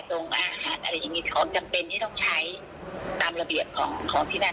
โรงอาหารอะไรอย่างนี้ของจำเป็นที่ต้องใช้ตามระเบียบของที่นั่น